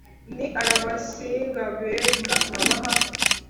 Ni ay abasinga abega abaha